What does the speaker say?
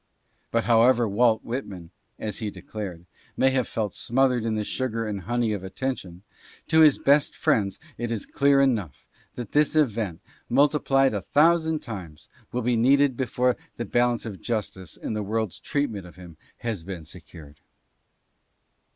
But however Walt Whitman, as he declared, may have felt smothered in the sugar and honey of attention, to his best friends it is clear enough that this event, multiplied a thousand times, will be needed be fore the balance of justice in the world's treatment of him has been secured.